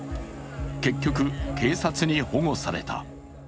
結局、警察に保護された。